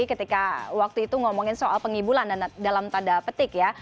ketika waktu itu ngomongin soal pengibulan dalam tanda petik ya